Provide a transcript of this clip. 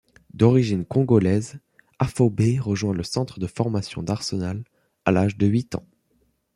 D'origine congolaise, Afobe rejoint le centre de formation d'Arsenal à l'âge de huit ans.